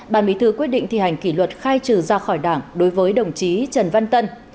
ban bí thư quyết định thi hành kỷ luật khai trừ ra khỏi đảng đối với đồng chí trần văn tân